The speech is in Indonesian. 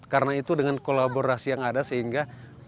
karena itu dengan kolaborasi yang ada sehingga pelaksanaan